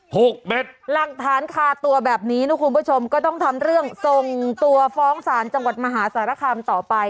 เม็ดหลักฐานคาตัวแบบนี้นะคุณผู้ชมก็ต้องทำเรื่องส่งตัวฟ้องศาลจังหวัดมหาสารคามต่อไป